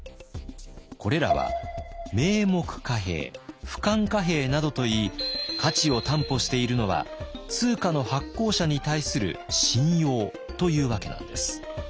これらは名目貨幣・不換貨幣などといい価値を担保しているのは通貨の発行者に対する「信用」というわけなんです。